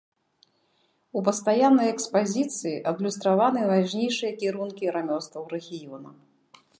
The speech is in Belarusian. У пастаяннай экспазіцыі адлюстраваны важнейшыя кірункі рамёстваў рэгіёна.